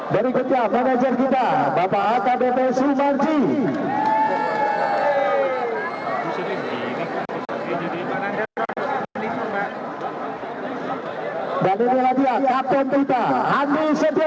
berikutnya manajer kita bapak akbp syul marji